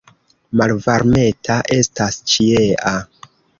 Malvarmeta estas ĉiea.